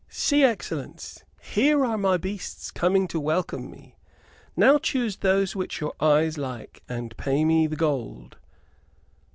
"See, excellence, here are my beasts, coming to welcome me! Now choose those which your eyes like and pay me the gold."